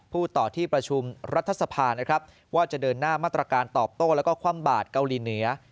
พูดต่อที่ประชุมรัฐสภานะครับว่าจะเดินหน้ามาตรการตอบโต้แล้วก็คว่ำบาดเกาหลีเหนือ